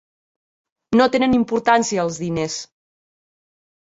No tenen importància els diners.